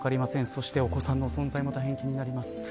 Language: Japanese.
そしてお子さんの存在も気になります。